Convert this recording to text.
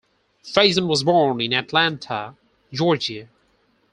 Fason was born in Atlanta, Georgia.